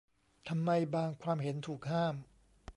ทำไมบางความเห็นถูกห้าม